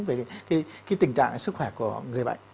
về cái tình trạng sức khỏe của người bệnh